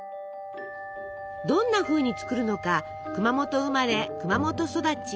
どんなふうに作るのか熊本生まれ熊本育ち。